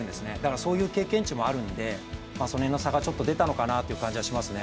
そういう経験値もあるのでその辺の差がちょっと出たのかなという感じはしますね。